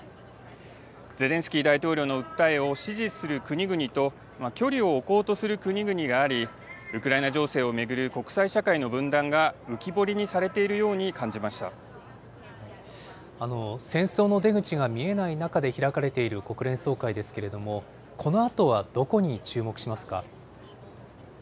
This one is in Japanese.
ゼレンスキー大統領の訴えを支持する国々と距離を置こうとする国々があり、ウクライナ情勢を巡る国際社会の分断が浮き彫りにされ戦争の出口が見えない中で開かれている国連総会ですけれども、このあとはどこに注目しますか。